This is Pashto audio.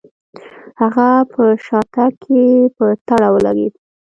هغه په شاتګ کې په تړه ولګېد.